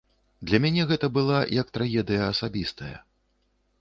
Для мяне гэта была як трагедыя асабістая.